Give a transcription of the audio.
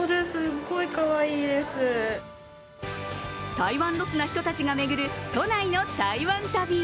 台湾ロスな人たちが巡る都内の台湾旅。